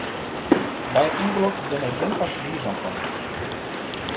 By it ûngelok binne gjin passazjiers omkommen.